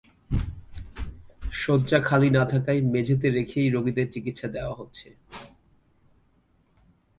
শয্যা খালি না থাকায় মেঝেতে রেখেই রোগীদের চিকিৎসা দেওয়া হচ্ছে।